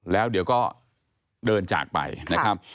แล้วเดี๋ยวก็เดินจากไปนะครับ